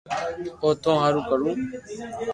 او ٿو ھارو ڪرو